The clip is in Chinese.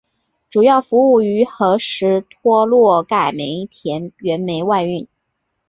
主要服务于和什托洛盖煤田原煤外运。